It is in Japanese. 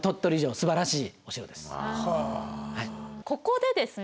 ここでですね